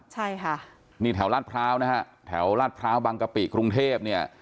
ใช่ค่ะนี่แถวลาดพร้าวนะฮะแถวลาดพร้าวบังกะปิกรุงเทพเนี่ย